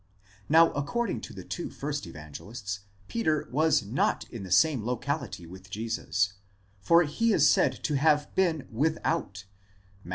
Now according to the two first Evangelists, Peter was not in the same locality with Jesus: for he is said to have been zwethout ἔξω (Matt.